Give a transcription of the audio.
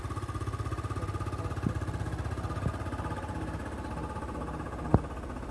Por su parte, Nicky Hopkins se ocupó del piano.